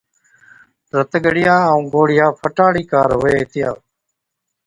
رت ڳڙِيا ائُُون گوڙهِيا فٽا هاڙِي ڪار هُوي هِتِيا۔